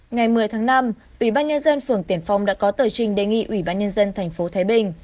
ngày một mươi tháng năm ủy ban nhân dân phường tiền phong đã có tờ trình đề nghị ủy ban nhân dân tp thái bình